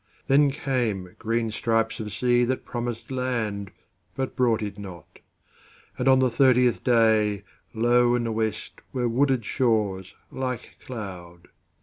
Then came green stripes of sea that promised landBut brought it not, and on the thirtieth dayLow in the West were wooded shores like cloud.